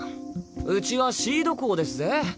ウチはシード校ですぜ。